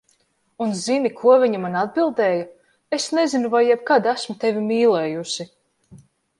Un zini, ko viņa man atbildēja, "Es nezinu, vai jebkad esmu tevi mīlējusi."